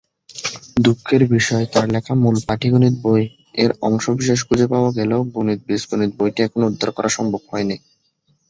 দুঃখের বিষয় তার লেখা মূল পাটিগণিত বই এর অংশবিশেষ খুঁজে পাওয়া গেলেও গণিত বীজগণিত বইটি এখনো উদ্ধার করা সম্ভব হয়নি।